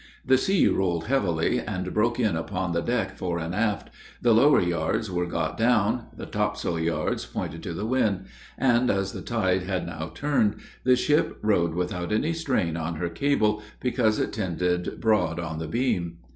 The sea rolled heavily, and broke in upon the deck fore and aft; the lower yards were got down; the topsail yards pointed to the wind; and as the tide had now turned, the ship rode without any strain on her cable, because it tended broad on the beam.